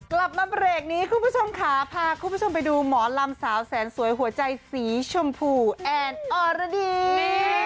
กลับมาเบรกนี้คุณผู้ชมค่ะพาคุณผู้ชมไปดูหมอลำสาวแสนสวยหัวใจสีชมพูแอนออรดี